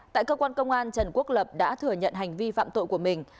tại cơ quan công an trần quốc lập đã thừa nhận hành vi phạm tội của mình